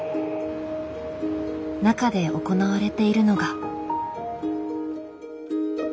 中で行われているのが。